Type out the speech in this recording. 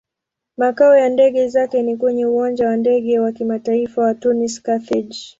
Makao ya ndege zake ni kwenye Uwanja wa Ndege wa Kimataifa wa Tunis-Carthage.